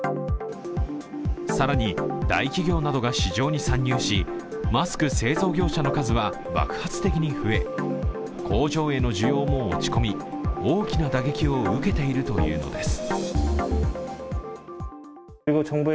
更に、大企業などが市場に参入し、マスク製造業者の数は爆発的に増え工場への需要も落ち込み、大きな打撃を受けているというのです。